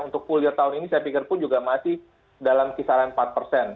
untuk full year tahun ini saya pikir pun juga masih dalam kisaran empat persen